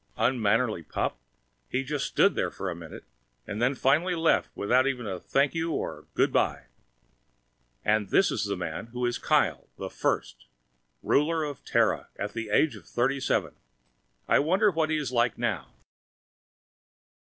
Unmannerly pup! He just stood there for a minute and then finally left without even a "Thank you," or "Good by." And this is the man who is Kyle the First, Ruler of Terra at the age of thirty seven! I wonder what he is like now....